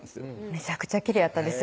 めちゃくちゃきれいやったんです